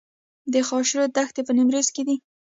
د خاشرود دښتې په نیمروز کې دي